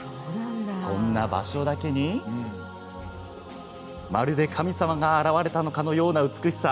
そんな場所だけにまるで神様が現れたかのような美しさ。